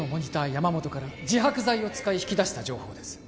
山本からみーんな言ってる自白剤を使い引き出した情報です